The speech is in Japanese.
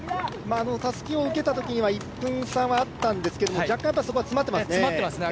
たすきを受けたときには１分差はあったんですが若干そこは詰まってますね。